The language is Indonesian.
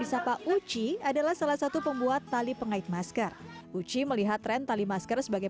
disapa uci adalah salah satu pembuat tali pengait masker uci melihat tren tali masker sebagai